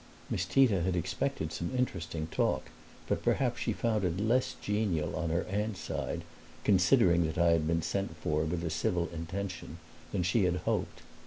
Miss Tita had expected some interesting talk, but perhaps she found it less genial on her aunt's side (considering that I had been sent for with a civil intention) than she had hoped.